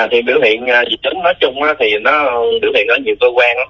thì biểu hiện dịch tính nói chung thì biểu hiện ở nhiều cơ quan